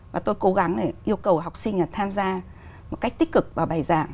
và tôi cố gắng để yêu cầu học sinh tham gia một cách tích cực và bài giảng